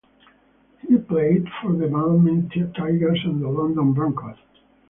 He played for the Balmain Tigers and the London Broncos.